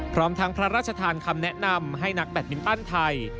พร้อมทั้งพระราชทานคำแนะนำให้นักแบตมินตันไทย